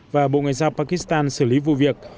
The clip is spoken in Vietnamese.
và bộ ngoại giao pakistan xử lý vụ việc